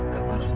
kamu harus hadap